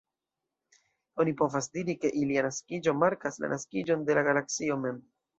Oni povas diri, ke ilia naskiĝo markas la naskiĝon de la Galaksio mem.